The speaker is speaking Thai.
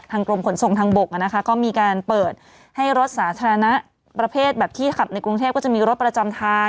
กรมขนส่งทางบกก็มีการเปิดให้รถสาธารณะประเภทแบบที่ขับในกรุงเทพก็จะมีรถประจำทาง